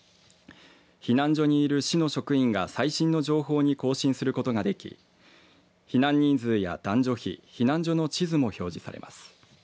避難所にいる市の職員が最新の情報に更新することができ避難人数や男女比避難所の地図も表示されます。